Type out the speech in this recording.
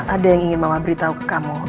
ada yang ingin mama beritahu ke kamu